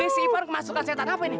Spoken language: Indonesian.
ini si ipan kemasukan setan apa ini